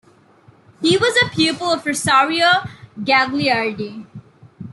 He was a pupil of Rosario Gagliardi.